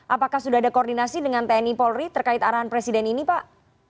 apakah sudah ada koordinasi dengan tni polri terkait arahan presiden ini pak